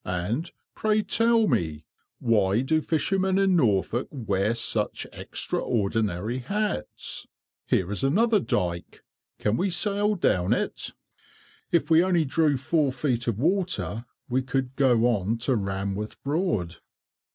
and, pray tell me, why do fishermen in Norfolk wear such extraordinary hats! Here is another dyke. Can we sail down it?" "If we only drew four feet of water, we could go on to Ranworth Broad."